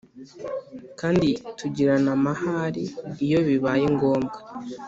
kandi tugirirana amahari iyo bibaye ngombwa.